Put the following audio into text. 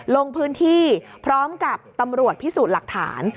ลงพื้นที่พร้อมกับตำรวจพิสูจน์หลักฐาน